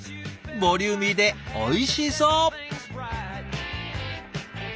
ボリューミーでおいしそう。